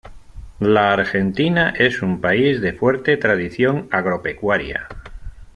La Argentina es un país de fuerte tradición agropecuaria.